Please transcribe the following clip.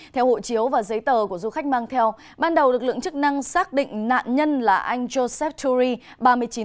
theo hộ chiếu và giấy tờ của du khách mang theo ban đầu lực lượng chức năng xác định nạn nhân là anh joseph turi